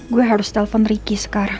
gue harus telpon ricky sekarang